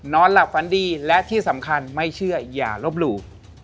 นอนหลับฝันดีและที่สำคัญไม่เชื่ออย่าลบหลู่